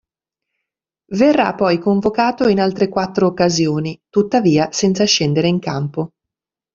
Verrà poi convocato in altre quattro occasioni, tuttavia senza scendere in campo.